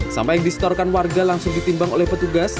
sampah yang disetorkan warga langsung ditimbang oleh petugas